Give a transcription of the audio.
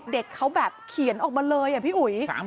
เด็กเขาแบบเขียนออกมาเลยอะพี่อุ๋ย